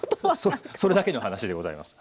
それだけの話でございます。